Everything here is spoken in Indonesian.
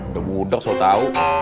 udah muda nggak usah tau